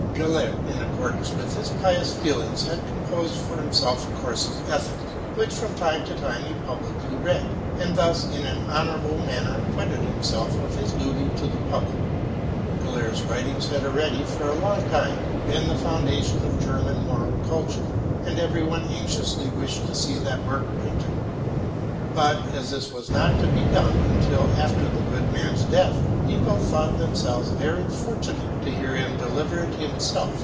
Gellert, in accordance with his pious feelings, had com posed for himself a course of ethics, which from time to time he publicly read, and thus in an honorable manner acquitted himself of his duty to the public. Gellert's writings had already, for a long time, been the foundation of German moral culture, and every one anxiously wished to see that work adage but, as this was not to be done till after the good man's death, people thought themselves very fortunate to hear him deliver it himse! .